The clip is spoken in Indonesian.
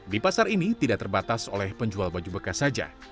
di pasar ini tidak terbatas oleh penjual baju bekas saja